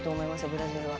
ブラジルは。